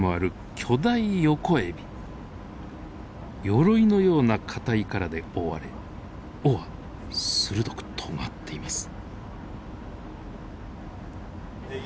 よろいのような硬い殻で覆われ尾は鋭くとがっています。